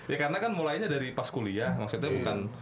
ya karena kan mulainya dari pas kuliah maksudnya bukan